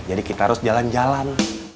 jadi kita harus jalan jalan